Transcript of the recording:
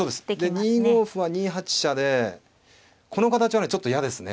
２五歩は２八飛車でこの形はねちょっと嫌ですね